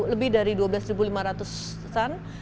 lebih dari dua belas lima ratus ton